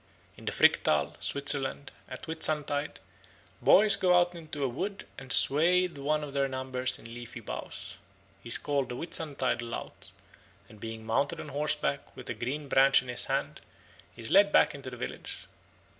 In the Fricktal, Switzerland, at Whitsuntide boys go out into a wood and swathe one of their number in leafy boughs. He is called the Whitsuntide lout, and being mounted on horseback with a green branch in his hand he is led back into the village.